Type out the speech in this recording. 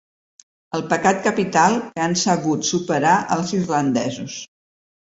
El pecat capital que han sabut superar els irlandesos.